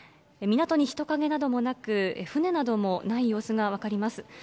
港に人影などもなく、船などもない様子が分かります。